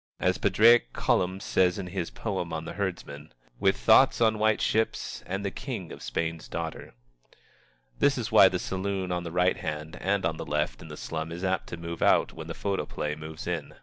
As Padraic Colum says in his poem on the herdsman: "With thoughts on white ships And the King of Spain's Daughter." This is why the saloon on the right hand and on the left in the slum is apt to move out when the photoplay moves in.